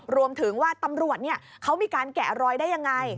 รวมถึงว่าตำรวจเขามีการแกะรอยได้ยังไง